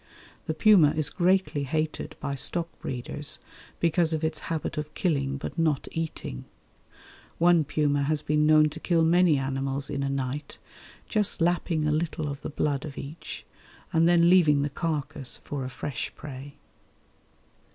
The puma is greatly hated by stock breeders because of its habit of killing but not eating. One puma has been known to kill many animals in a night, just lapping a little of the blood of each and then leaving the carcase for a fresh prey.